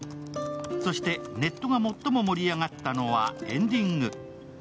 そして、ネットが最も盛り上がったのはエンディング。